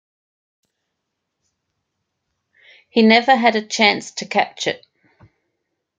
He never had a chance to catch it.